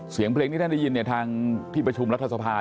เสียงเพลงที่ท่านได้ยินเนี่ยทางที่ประชุมรัฐสภา